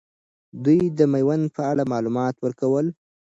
دوي د میوند په اړه معلومات ورکول.